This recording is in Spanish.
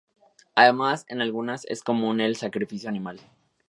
Además en algunas es común el sacrificio animal.